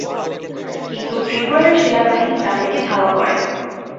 কিন্তু ত্রিপুরার সেনাবাহিনী তাদেরকে ধাওয়া করে।